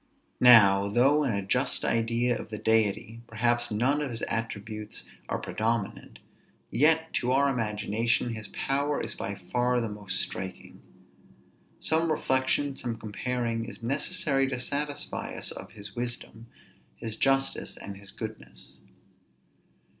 Now, though in a just idea of the Deity, perhaps none of his attributes are predominant, yet, to our imagination, his power is by far the most striking. Some reflection, some comparing, is necessary to satisfy us of his wisdom, his justice, and his goodness.